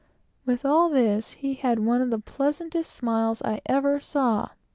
With all this he had one of the pleasantest smiles I ever saw.